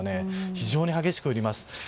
非常に激しく降ります。